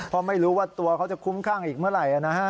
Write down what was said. เพราะไม่รู้ว่าตัวเขาจะคุ้มข้างอีกเมื่อไหร่นะฮะ